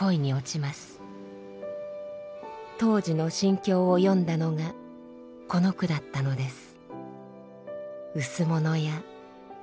当時の心境を詠んだのがこの句だったのです。